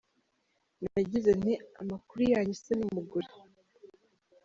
Nagize nti - Amakuru yanyu se n’umugore?.